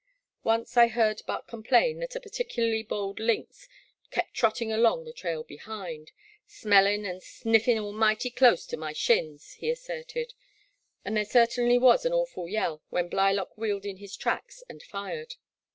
Once I heard Buck complain that a particularly bold lynx kept trotting along the trail behind, igo The Black Water. ''smellin' and sniffin* almiglity dose to my shins,*' he asserted, and there certainly was an awful yell when Blylock wheeled in his tracks and fired.